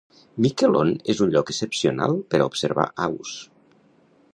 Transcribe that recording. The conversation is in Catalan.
Miquelon és un lloc excepcional per a observar aus.